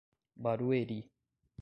Barueri